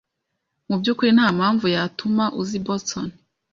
Mu byukuri nta mpamvu yatuma uza i Boston.